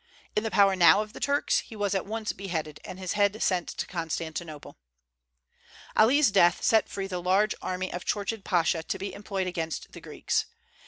In the power now of the Turks, he was at once beheaded, and his head sent to Constantinople. Ali's death set free the large army of Chourchid Pasha to be employed against the Greeks.